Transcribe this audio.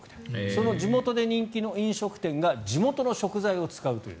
その地元で人気の飲食店が地元の食材を使うという。